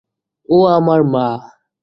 ও আমার মা!